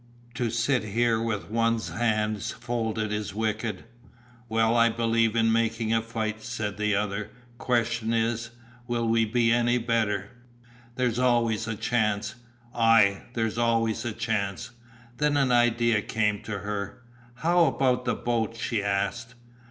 To sit here with one's hands folded is wicked." "Well, I believe in making a fight," said the other, "question is, will we be any the better." "There's always the chance." "Ay, there's always a chance." Then an idea came to her. "How about the boat?" she asked.